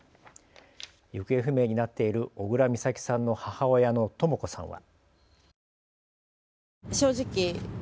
行方不明になっている小倉美咲さんの母親のとも子さんは。